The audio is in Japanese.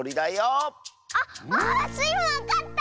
あっああっ⁉スイもわかった！